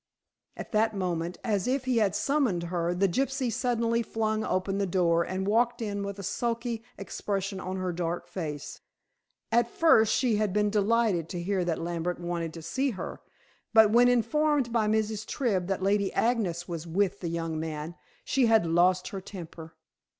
At that moment; as if he had summoned her, the gypsy suddenly flung open the door and walked in with a sulky expression on her dark face. At first she had been delighted to hear that Lambert wanted to see her, but when informed by Mrs. Tribb that Lady Agnes was with the young man, she had lost her temper.